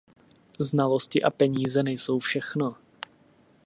Znalosti a peníze nejsou všechno.